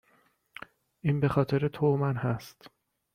این بخاطر تو و من هست